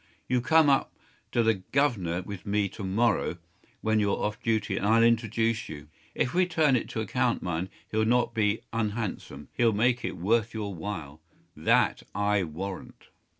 You come up to the governor with me to morrow, when you’re off duty, and I’ll introduce you. If we turn it to account, mind, he’ll not be unhandsome. He’ll make it worth your while, that I warrant.